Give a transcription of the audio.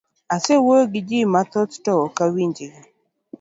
Asewuoyo giji mathoth to okawinj gi.